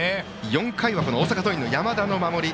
４回は大阪桐蔭の山田の守り。